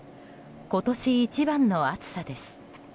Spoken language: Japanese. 今年一番の暑さです。